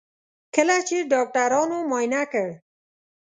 کله چې ډاکټرانو معاینه کړ.